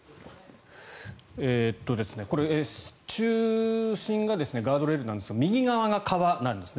これ、中心がガードレールなんですが右側が川なんですね。